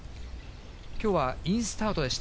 きょうはインスタートでした。